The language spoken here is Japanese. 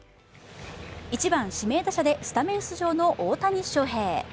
１番・指名打者でスタメン出場の大谷翔平。